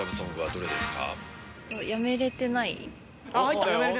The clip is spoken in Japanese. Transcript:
どれですか？